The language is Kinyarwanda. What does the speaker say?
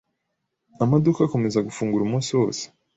Amaduka akomeza gufungura umunsi wose.